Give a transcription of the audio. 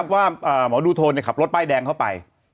ว่าหมอดูโทนขับรถป้ายแดงเข้าไป